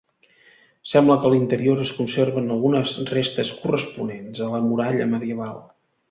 Sembla que a l'interior es conserven algunes restes corresponents a la muralla medieval.